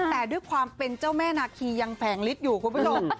แต่ด้วยความเป็นเจ้าแม่นาคียังแฝงฤทธิ์อยู่คุณผู้ชม